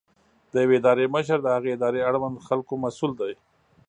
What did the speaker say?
د یوې ادارې مشر د هغې ادارې اړوند خلکو مسؤل دی.